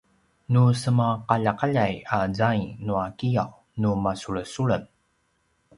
nu semaqaljaqaljay a zaing nua kiyaw nu masulesulem